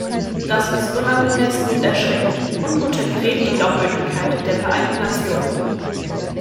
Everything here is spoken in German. Das ist unangemessen und erschreckend und untergräbt die Glaubwürdigkeit der Vereinten Nationen.